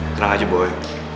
tenang aja boy